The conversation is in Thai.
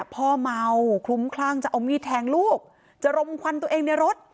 พ่อเมาคลุ้มคลั่งจะเอามีดแทงลูกจะรมควันตัวเองในรถ